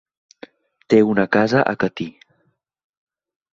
Té una casa a Catí.